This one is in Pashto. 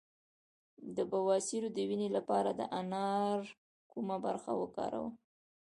د بواسیر د وینې لپاره د انار کومه برخه وکاروم؟